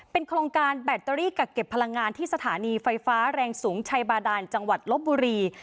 โครงการแบตเตอรี่กักเก็บพลังงานที่สถานีไฟฟ้าแรงสูงชัยบาดานจังหวัดลบบุรี